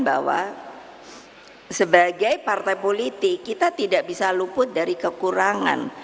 bahwa sebagai partai politik kita tidak bisa luput dari kekurangan